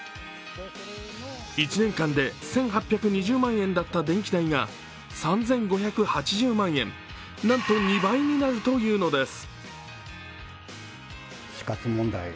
１年間で１８２０万円だった電気代が３５８０万円、なんと２倍になるというのです。